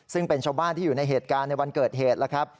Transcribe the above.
ซึ่งเป็นชาวบ้านที่อยู่ในเหตุการณ์ในวันเกิดเหตุแล้วครับ